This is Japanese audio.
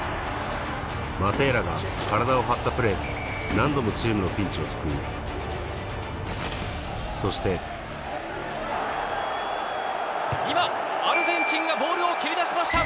マテーラが体を張ったプレー何度もチームのピンチを救うそして今アルゼンチンがボールを蹴り出しました！